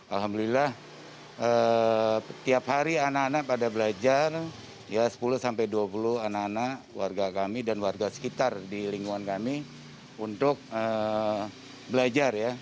alhamdulillah tiap hari anak anak pada belajar ya sepuluh sampai dua puluh anak anak warga kami dan warga sekitar di lingkungan kami untuk belajar ya